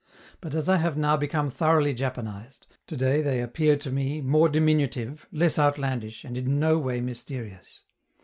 But as I have now become thoroughly Japanized, today they appear to me more diminutive, less outlandish, and in no way mysterious.